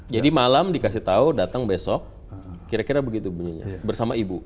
jadi malam dikasih tahu datang besok kira kira begitu bunyinya bersama ibu